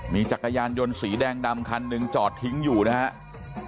มีจักรยานยนต์สีแดงดำคันหนึ่งจอดทิ้งอยู่นะครับ